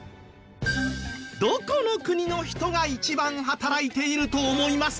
どこの国の人が一番働いていると思いますか？